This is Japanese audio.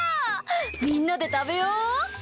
みんなで食べよう。